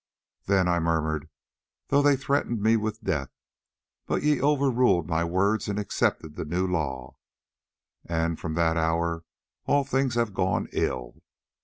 "Then I murmured, though they threatened me with death, but ye overruled my words and accepted the new law, and from that hour all things have gone ill.